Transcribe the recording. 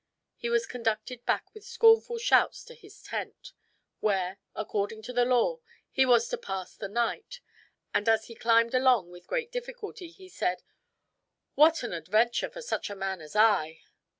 He was conducted back with scornful shouts to his tent, where, according to the law, he was to pass the night; and as he climbed along with great difficulty he said, "What an adventure for such a man as I!"